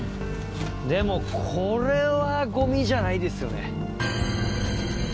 でもこれはゴミじゃないですよね。